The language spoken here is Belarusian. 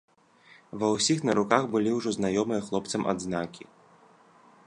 Ва ўсіх на руках былі ўжо знаёмыя хлопцам адзнакі.